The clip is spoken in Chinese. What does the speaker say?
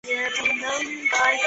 古坟规模如下。